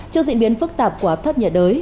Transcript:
trước diễn biến phức tạp của áp thấp nhiệt đới